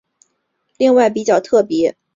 另外较特别的是它的与是连接在一起的。